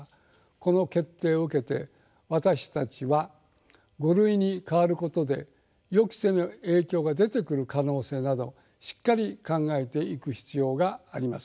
この決定を受けて私たちは「５類」に変わることで予期せぬ影響が出てくる可能性などしっかり考えていく必要があります。